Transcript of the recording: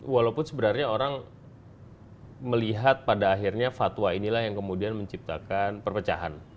walaupun sebenarnya orang melihat pada akhirnya fatwa inilah yang kemudian menciptakan perpecahan